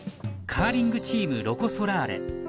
カーリングチームロコ・ソラーレ。